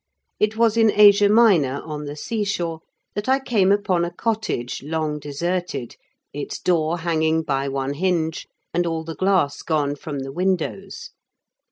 It was in Asia Minor, on the seashore, that I came upon a cottage long deserted, its door hanging by one hinge, and all the glass gone from the windows.